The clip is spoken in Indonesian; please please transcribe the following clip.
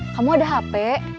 kamu ada hp